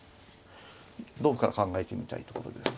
同歩から考えてみたいところです。